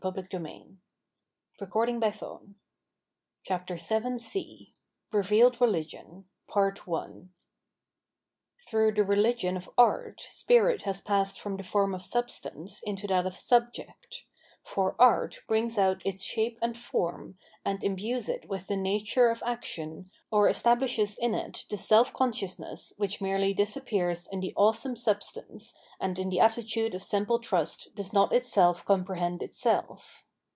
Cp. HegeFs Aesthetik^ W X.^ 3^ 560, c Revealed Religion * Through, the Religion of Art spirit has passed from the form of Substance into that of Subject ; for art brings out its shape and form, and imbues it with the nature of action or establishes in it the self consciousness which merely disappears in the awe some substance and in the attitude of simple trust does not itself comprehend itself.